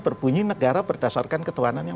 berbunyi negara berdasarkan ketuhanan yang